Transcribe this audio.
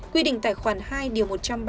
quy định tài khoản hai điều một trăm ba mươi ba